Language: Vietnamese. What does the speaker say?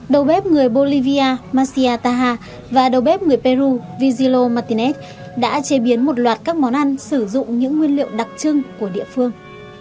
đầu bếp người bolivia masia taha và đầu bếp người peru viilo matinet đã chế biến một loạt các món ăn sử dụng những nguyên liệu đặc trưng của địa phương